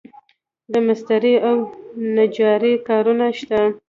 د مسترۍ او نجارۍ کارونه شته